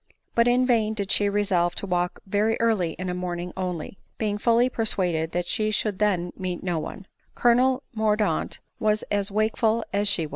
But in vain did she resolve to walk very early in a morning only, being fully persuaded that she should then meet with no one. Colonel Mordaunt was as wakeful as she.